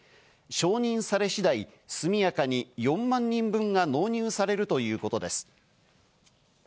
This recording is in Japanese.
承認され次第、速やかに４万人分が納入されるということです。